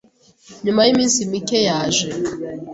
Nyuma y'iminsi mike, yaje.